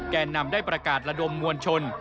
แก่นำได้ประกาศระดมมวลชน